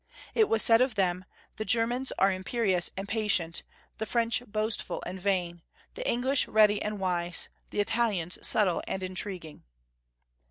It was said of them, "The Ger mans are imperious and patient, the French boastful siBCMUND, ^iid vain, the En Siegmund, 239 glish ready and wise, the Italians subtle and in triguing."